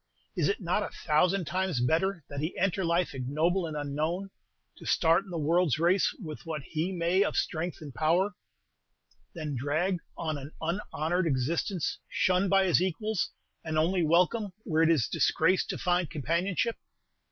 Is it not a thousand times better that he enter life ignoble and unknown, to start in the world's race with what he may of strength and power, than drag on an unhonored existence, shunned by his equals, and only welcome where it is disgrace to find companionship?"